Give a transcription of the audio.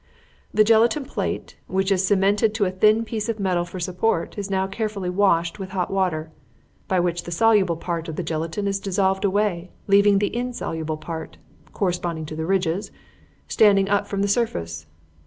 The gelatine plate, which is cemented to a thin plate of metal for support, is now carefully washed with hot water, by which the soluble part of the gelatine is dissolved away leaving the insoluble part (corresponding to the ridges) standing up from the surface.